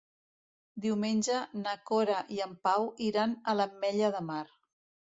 Diumenge na Cora i en Pau iran a l'Ametlla de Mar.